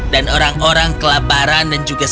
dan orang orang kelabaran dan juga sedih